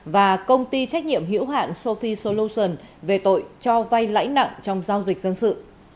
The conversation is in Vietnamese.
và công ty trách nhiệm hiểu hạn sophie solutions về tội cho vay lãnh nặng trong giao dịch dân sự